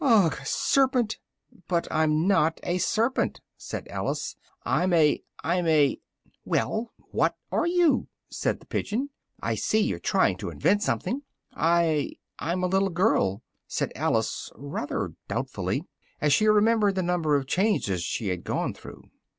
Ugh! Serpent!" "But I'm not a serpent," said Alice, "I'm a I'm a " "Well! What are you?" said the pigeon, "I see you're trying to invent something." "I I'm a little girl," said Alice, rather doubtfully, as she remembered the number of changes she had gone through.